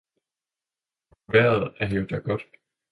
vejret er jo da godt.